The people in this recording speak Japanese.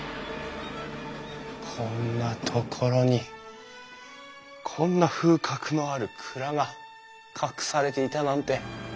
こんなところにこんな風格のある蔵が隠されていたなんて。